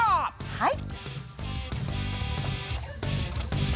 はい。